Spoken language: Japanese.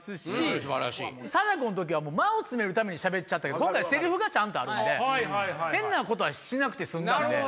サダコの時は間を詰めるためにしゃべっちゃったけど今回台詞がちゃんとあるんで変なことはしなくて済んだんで。